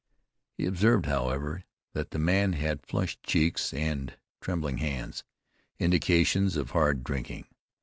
He observed, however, that the man had flushed cheeks and trembling hands, indications of hard drinking.